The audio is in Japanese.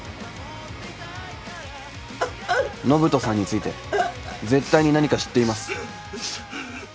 延人さんについて絶対に何か知っています。